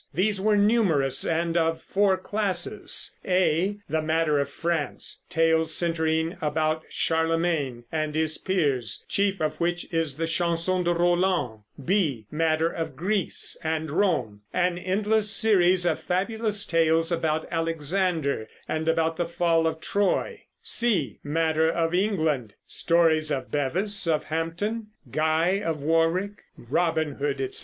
These were numerous, and of four classes: (a) the Matter of France, tales centering about Charlemagne and his peers, chief of which is the Chanson de Roland; (b) Matter of Greece and Rome, an endless series of fabulous tales about Alexander, and about the Fall of Troy; (c) Matter of England, stories of Bevis of Hampton, Guy of Warwick, Robin Hood, etc.